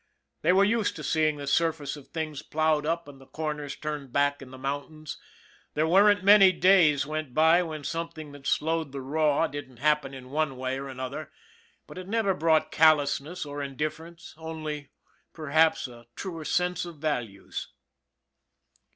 They were used to seeing the surface of things plowed up and the corners turned back in the mountains, there weren't many days went by when something that showed the raw didn't happen in one way or another, but it never brought callousness or indifference, only, perhaps, a truer sense of values.